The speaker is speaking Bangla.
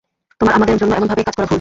তোমার আমাদের জন্য এমনভাবে কাজ করা ভুল।